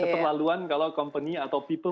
keterlaluan kalau perusahaan atau orang orang